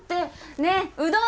ねえうどん！